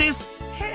へえ！